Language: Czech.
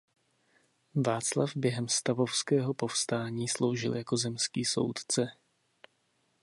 Václav během stavovského povstání sloužil jako zemský soudce.